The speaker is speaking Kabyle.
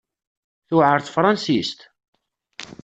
Tewεer tefransist?